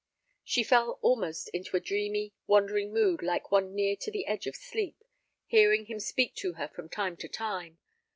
She fell almost into a dreamy, wandering mood like one near to the edge of sleep, hearing him speak to her from time to time.